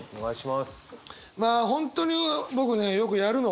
まあ本当に僕ねよくやるの。